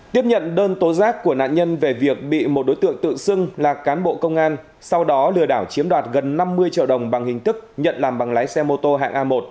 tiếp nhận đơn tố giác của nạn nhân về việc bị một đối tượng tự xưng là cán bộ công an sau đó lừa đảo chiếm đoạt gần năm mươi triệu đồng bằng hình thức nhận làm bằng lái xe mô tô hạng a một